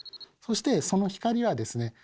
そしてその光はですね